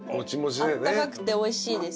あったかくておいしいです。